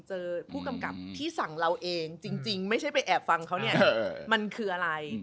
เจอผู้กำกับที่สั่งเราเองจริงไม่ใช่ไปแอบฟังเขาเนี่ยมันคืออะไร